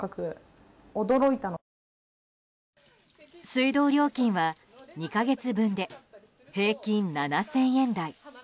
水道料金は２か月分で平均７０００円台。